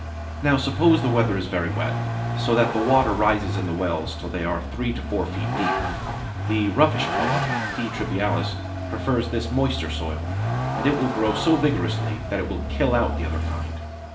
Now suppose the weather is very wet, so that the water rises in the wells till they are three to four feet deep. The Roughish Poa (P. trivialis) prefers this moister soil, and it will grow so vigorously that it will kill out the other kind.